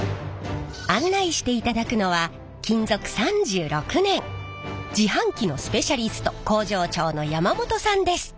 案内していただくのは勤続３６年自販機のスペシャリスト工場長の山本さんです。